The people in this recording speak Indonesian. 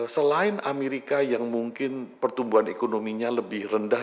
selain amerika yang mungkin pertumbuhan ekonominya lebih rendah